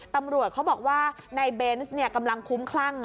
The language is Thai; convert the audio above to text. ตำรวจเขาบอกว่านายเบนส์กำลังคุ้มคลั่ง